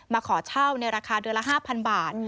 มาขอเช่าในราคาเดือนละ๕๐๐บาท